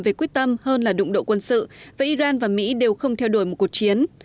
về quyết tâm hơn là đụng độ quân sự và iran và mỹ đều không theo đuổi một cuộc chiến